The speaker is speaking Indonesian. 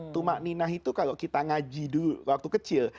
tumakninah itu kalau kita ngaji dulu waktu kecil